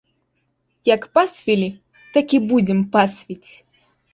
Як пасвілі, так і будзем пасвіць!